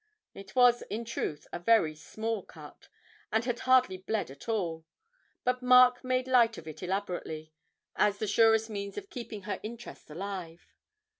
It was in truth a very small cut, and had hardly bled at all, but Mark made light of it elaborately, as the surest means of keeping her interest alive.